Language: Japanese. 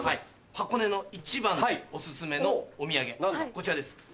箱根の一番のオススメのお土産こちらです。